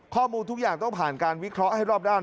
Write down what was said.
ข้อมูลทุกอย่างต้องผ่านการวิเคราะห์ให้รอบด้าน